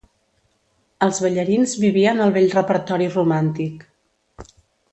Els ballarins vivien el vell repertori romàntic.